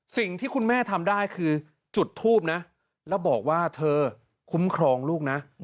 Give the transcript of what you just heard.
สิ่งที่คุณแม่ทำได้คือจุดทูบนะแล้วบอกว่าเธอคุ้มครองลูกนะ